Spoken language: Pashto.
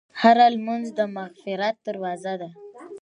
هره لمونځ د مغفرت دروازه ده.